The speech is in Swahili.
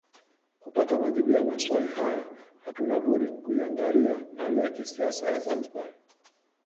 Kupata majibu ya maswali haya hatuna budi kuiangalia hali ya kisiasa ya Zanzibar